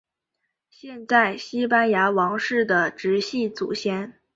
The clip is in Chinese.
现在西班牙王室的直系祖先。